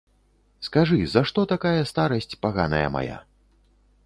Скажы, за што такая старасць паганая мая?